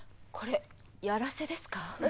これやらせですか？